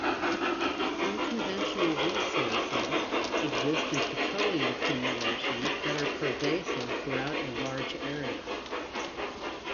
"Unconventional resources" exist in petroleum accumulations that are pervasive throughout a large area.